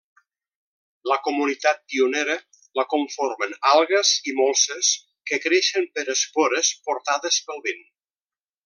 La comunitat pionera la conformen algues i molses que creixen per espores portades pel vent.